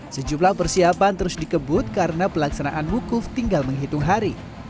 sejumlah persiapan terus dikebut karena pelaksanaan wukuf tinggal menghitung hari